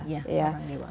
ya orang dewasa